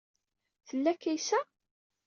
Tella Kaysa?